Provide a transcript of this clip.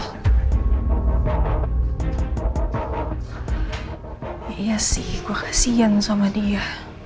iya sih gue kasian sama dia